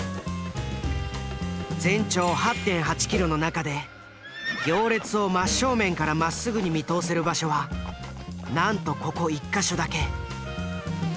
全長８．８キロの中で行列を真正面からまっすぐに見通せる場所はなんとここ１か所だけ。